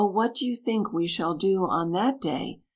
what do you think we shall do on that day?"